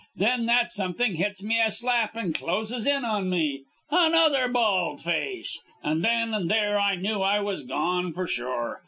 Then that something hits me a slap and closes in on me. Another bald face! And then and there I knew I was gone for sure.